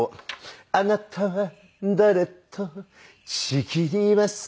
「あなたは誰と契りますか」